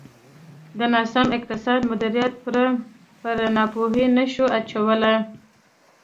د ناسم اقتصادي مدیریت پړه پر ناپوهۍ نه شو اچولای.